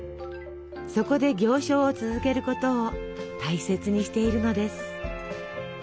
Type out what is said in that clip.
そこで行商を続けることを大切にしているのです。